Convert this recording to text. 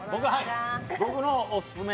僕のオススメ